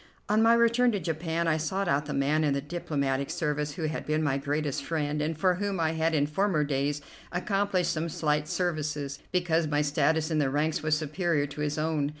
On my return to Japan I sought out the man in the diplomatic service who had been my greatest friend and for whom I had in former days accomplished some slight services, because my status in the ranks was superior to his own.